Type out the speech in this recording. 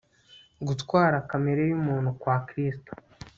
Gutwara kamere yumuntu kwa Kristo